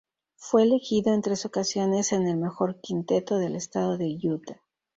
Fue elegido en tres ocasiones en el mejor quinteto del estado de Utah.